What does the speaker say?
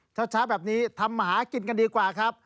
เช้าแบบนี้ทำมาหากินกันดีกว่าครับ